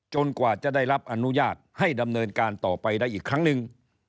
กว่าจะได้รับอนุญาตให้ดำเนินการต่อไปได้อีกครั้งหนึ่ง